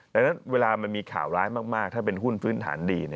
ดังนั้นเวลามันมีข่าวร้ายมากถ้าเป็นหุ้นพื้นฐานดี